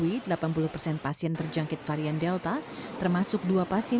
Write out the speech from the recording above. itu harus dimasukkan ke tempat tempat isolasi terpusat